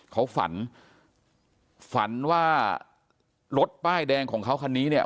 เขาฝันฝันว่ารถป้ายแดงของเขาคันนี้เนี่ย